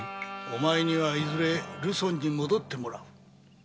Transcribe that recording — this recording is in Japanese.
お前にはいずれルソンに戻ってもらう。